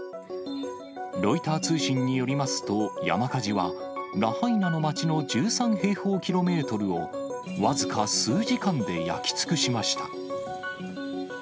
ロイター通信によりますと、山火事はラハイナの街の１３平方キロメートルを僅か数時間で焼き尽くしました。